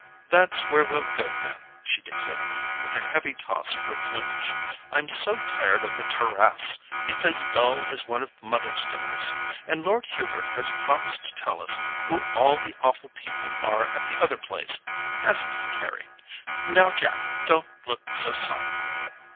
"That's where we'll go then!" she declared, with a heavy toss of her plumage. "I'm so tired of the TERRASSE: it's as dull as one of mother's dinners. And Lord Hubert has promised to tell us who all the awful people are at the other place—hasn't he, Carry? Now, Jack, don't look so solemn!"